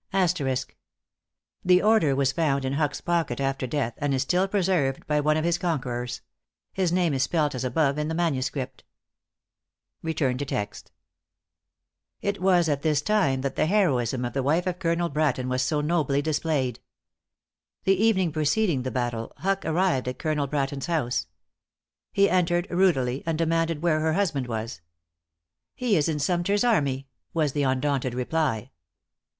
The order was found in Huck's pocket after death, and is still preserved by one of his conquerors. His name is spelt as above in the manuscript. It was at this time that the heroism of the wife of Colonel Bratton was so nobly displayed. The evening preceding the battle, Huck arrived at Colonel Bratton's house. He entered rudely, and demanded where her husband was. "He is in Sumter's army," was the undaunted reply.